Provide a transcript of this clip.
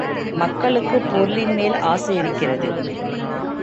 மக்களுக்குப் பொருளின்மேல் ஆசையிருக்கிறது.